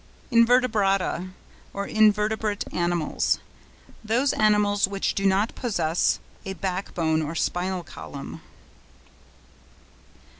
INVERTEBRATA, or INVERTEBRATE ANIMALS.—Those animals which do not possess a backbone or spinal column.